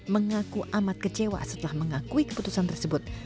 mengaku amat kecewa setelah mengakui keputusan tersebut